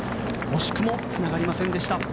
惜しくもつながりませんでした。